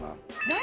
何？